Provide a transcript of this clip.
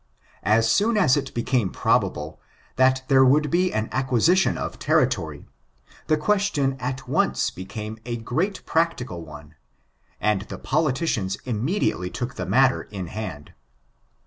As soon as it became ^^^^1^1^^ 462 BTRICTtnUCS probable that there would be an acquisition of territory, the question at once became a great practical one, and the politicians immediately took the matter in hand.